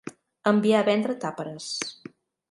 Enviar a vendre tàperes.